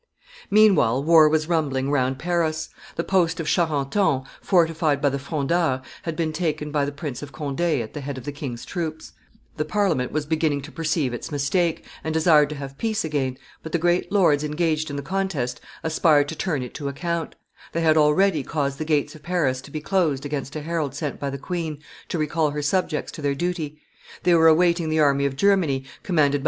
Meanwhile war was rumbling round Paris; the post of Charenton, fortified by the Frondeurs, had been carried by the Prince of Conde at the head of the king's troops; the Parliament was beginning to perceive its mistake, and desired to have peace again, but the great lords engaged in the contest aspired to turn it to account; they had already caused the gates of Paris to be closed against a herald sent by the queen to recall her subjects to their duty; they were awaiting the army of Germany, commanded by M.